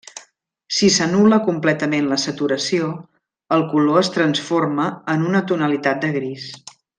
Si s'anul·la completament la saturació, el color es transforma en una tonalitat de gris.